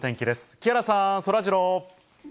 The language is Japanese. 木原さん、そらジロー。